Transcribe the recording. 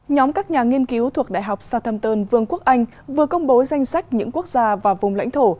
nhóm các nhà nghiên cứu thuộc đại học samton vương quốc anh vừa công bố danh sách những quốc gia và vùng lãnh thổ